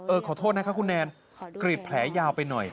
ขอโทษนะคะคุณแนนกรีดแผลยาวไปหน่อย